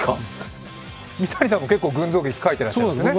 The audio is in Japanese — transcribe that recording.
三谷さんも結構、群像劇、書いていらっしゃいますよね。